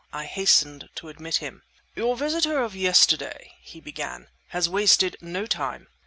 I hastened to admit him. "Your visitor of yesterday," he began, "has wasted no time!"